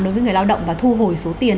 đối với người lao động và thu hồi số tiền